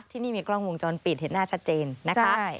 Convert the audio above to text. ที่นี่มีกล้องวงจรปิดเห็นหน้าชัดเจนนะคะ